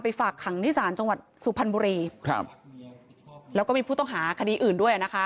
ฝากขังที่ศาลจังหวัดสุพรรณบุรีครับแล้วก็มีผู้ต้องหาคดีอื่นด้วยอ่ะนะคะ